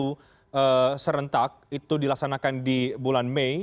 pemilu serentak itu dilaksanakan di bulan mei